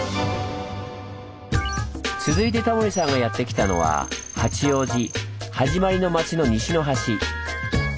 続いてタモリさんがやって来たのは八王子はじまりの町の西の端。